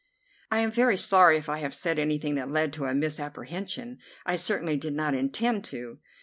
"I am very sorry if I have said anything that led to a misapprehension. I certainly did not intend to."